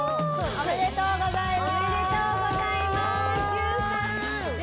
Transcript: おめでとうございます。